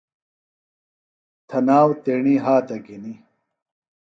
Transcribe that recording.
تھناوۡ تیݨی ہاتہ گِھینیۡ